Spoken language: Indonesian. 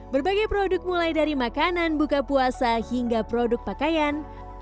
berbagai produk mulai dari makanan buka puasa hingga produk pakaian